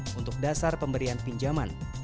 yang bisa dihasilkan dengan dasar pemberian pinjaman